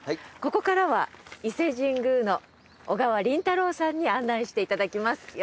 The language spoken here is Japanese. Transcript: ここからは伊勢神宮の小川倫太郎さんに案内していただきます。